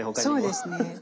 そうですね。